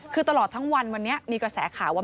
คือตลอดทั้งวันวันนี้มีกระแสข่าวว่า